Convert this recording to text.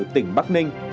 tỉnh bắc ninh